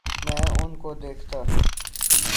میں ان کو دیکھتا